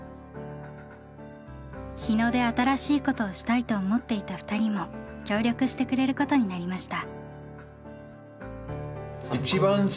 日野で新しいことをしたいと思っていた２人も協力してくれることになりました。